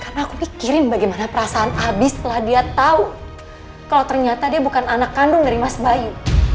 karena aku pikirin bagaimana perasaan abi setelah dia tau kalau ternyata dia bukan anak kandung dari mas bayu